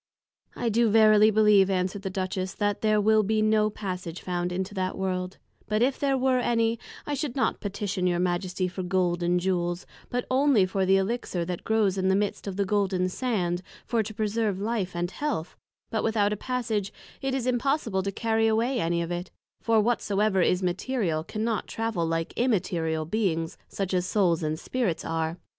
I do verily believe, answered the Duchess, that there will be no Passage found into that World; but if there were any, I should not Petition your Majesty for Gold and Jewels, but only for the Elixir that grows in the midst of the Golden Sands, for to preserve Life and Health; but without a Passage, it is impossible to carry away any of it: for, whatsoever is Material, cannot travel like Immaterial Beings, such as Souls and Spirits are.